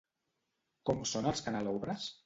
Com són els canelobres?